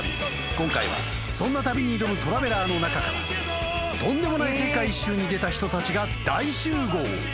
［今回はそんな旅に挑むトラベラーの中からとんでもない世界一周に出た人たちが大集合］